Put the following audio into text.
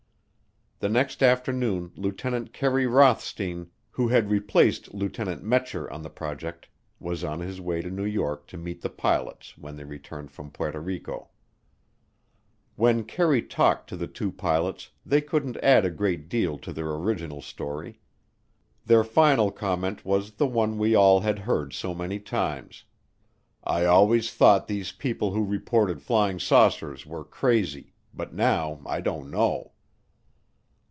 The next afternoon Lieutenant Kerry Rothstien, who had replaced Lieutenant Metscher on the project, was on his way to New York to meet the pilots when they returned from Puerto Rico. When Kerry talked to the two pilots, they couldn't add a great deal to their original story. Their final comment was the one we all had heard so many times, "I always thought these people who reported flying saucers were crazy, but now I don't know."